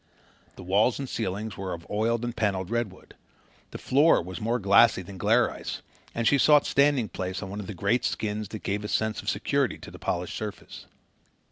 The walls and ceiling were of oiled and panelled redwood. The floor was more glassy than glare ice, and she sought standing place on one of the great skins that gave a sense of security to the polished surface.